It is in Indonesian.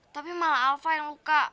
tapi malah alfa yang luka